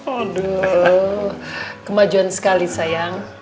aduh kemajuan sekali sayang